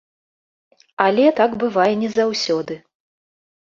Але так бывае не заўсёды.